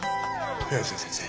早瀬先生